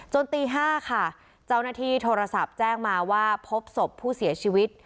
ตี๕ค่ะเจ้าหน้าที่โทรศัพท์แจ้งมาว่าพบศพผู้เสียชีวิต